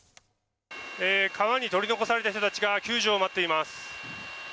川に取り残された人たちが救助を待っています。